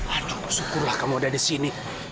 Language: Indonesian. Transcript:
aduh syukurlah kamu udah disini